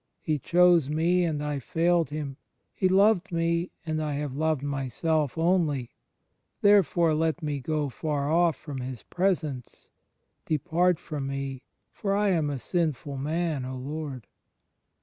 He chose me, and I failed Him. He loved me, and I have loved myself only. Therefore let me go far oflf from His Presence. ... Depart from me; for I am a sinful man, O Lord."